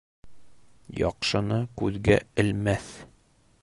Яҡшыны күҙгә элмәҫ.